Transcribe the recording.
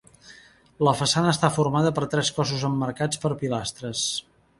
La façana està formada per tres cossos emmarcats per pilastres.